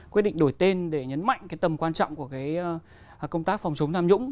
quyết định đổi tên để nhấn mạnh cái tầm quan trọng của cái công tác phòng chống tham nhũng